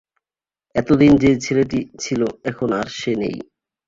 এত দিন যে ছেলেটি ছিল, এখন আর সে নেই।